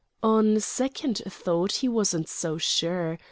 On second thought, he wasn't so sure.